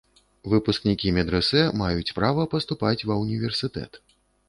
Выпускнікі медрэсэ маюць права паступаць ва ўніверсітэт.